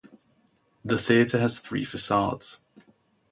The theatre has three facades.